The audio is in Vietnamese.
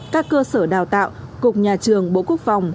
các cơ sở đào tạo cục nhà trường bộ quốc phòng